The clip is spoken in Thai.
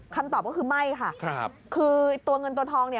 คำตอบก็คือไม่ค่ะคือตัวเงินตัวทองเนี่ย